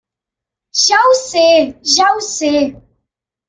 Ja ho sé, ja ho sé.